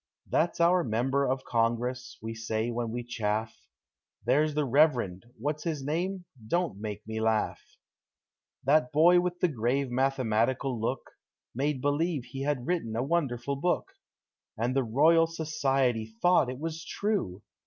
That 's our " Member of Congress," we say when we chaff ; There's the "Reverend" What's his name? — don't make me laugh ! That boy with the grave mathematical look Made believe he had written a wonderful book, And the Royal Society thought it was true!